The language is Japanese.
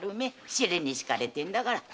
尻に敷かれてんだから。